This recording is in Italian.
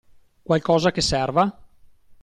Qualcosa che serva?